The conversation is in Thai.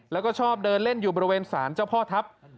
แล้วก็ชอบเดินเล่นอยู่บริเวณศาลเจ้าพ่อทัพ